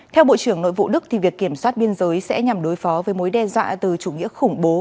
theo bộ trưởng nội vụ đức việc kiểm soát biên giới sẽ nhằm đối phó với mối đe dọa từ chủ nghĩa khủng bố